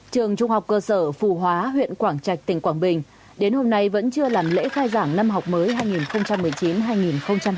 trường trung học cơ sở phù hóa huyện quảng trạch tỉnh quảng bình đến hôm nay vẫn chưa làm lễ khai giảng năm học mới hai nghìn một mươi chín hai nghìn hai mươi